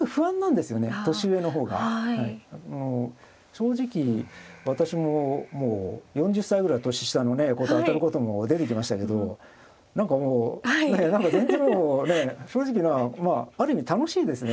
正直私ももう４０歳ぐらい年下の子と当たることも出てきましたけど何かもう何か全然もうね正直まあある意味楽しいですね